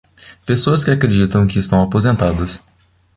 Pessoas que acreditam que estão aposentadas.